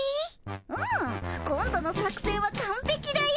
うん！今度の作戦はかんぺきだよ。